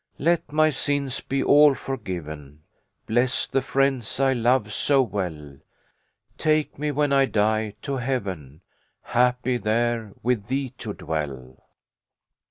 22Q * Let my sins be all forgiven, Bless the friends I love so well, Take me when I die to heaven, Happy there with thee to dwell.'